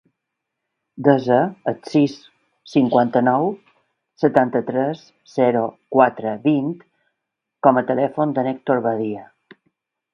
Desa el sis, cinquanta-nou, setanta-tres, zero, quatre, vint com a telèfon de l'Hèctor Badia.